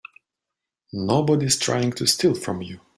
Nobody's trying to steal from you.